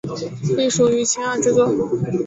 隶属于青二制作。